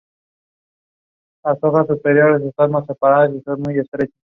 He was deeply interested in the Medieval buildings of his homeland.